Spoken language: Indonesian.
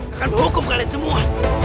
akan berhukum kalian semua